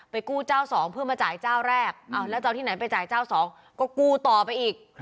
ไปกู้เจ้า๒เพื่อมาจ่ายเจ้าแรกอ้าแล้วจากที่ไหนไปจ่ายเจ้าสองกูต่อไปอีก